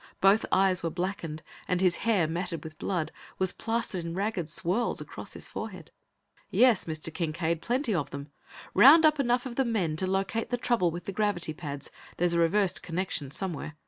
Both eyes were blackened, and his hair, matted with blood, was plastered in ragged swirls across his forehead. "Yes, Mr. Kincaide; plenty of them. Round up enough of the men to locate the trouble with the gravity pads; there's a reversed connection somewhere.